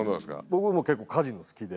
僕もカジノ好きで。